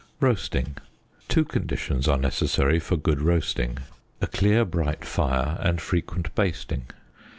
Roasting.' ŌĆö Two conditions are necessary for good roasting ŌĆö a clear bright fire and frequent basting.